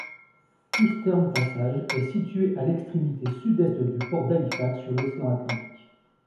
Eastern Passage est situé à l'extrémité sud-est du port d'Halifax sur l'océan Atlantique.